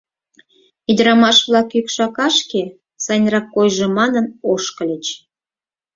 Ӱдырамаш-влак кӱкшакашке, сайынрак койжо манын, ошкыльыч.